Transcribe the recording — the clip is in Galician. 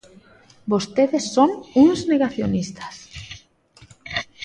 Vostedes son uns negacionistas.